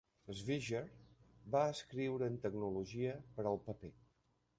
Swisher va escriure en tecnologia per al paper.